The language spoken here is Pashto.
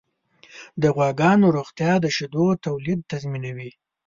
د غواګانو روغتیا د شیدو تولید تضمینوي.